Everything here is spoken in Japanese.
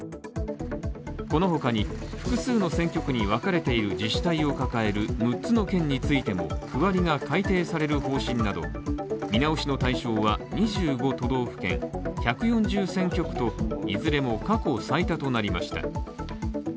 このほかに、複数の選挙区に分かれている自治体を抱える６つの県についても区割りが改定される方針など、見直しの対象は２５都道府県１４０選挙区といずれも過去最多となりました。